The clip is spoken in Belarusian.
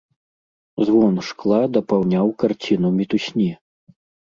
Звон шкла дапаўняў карціну мітусні.